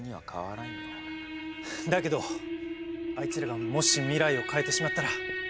だけどあいつらがもし未来を変えてしまったら。